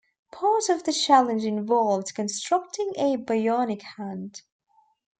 Part of the challenge involved constructing a bionic hand.